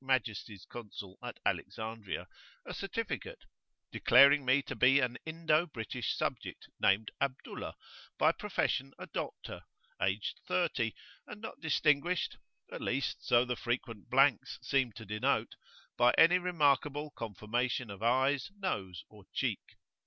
M's Consul at Alexandria a certificate, declaring me to be an Indo British subject named Abdullah, by profession a doctor, aged thirty, and not distinguished at least so the frequent blanks seemed to denote by any remarkable conformation of eyes, nose, or cheek.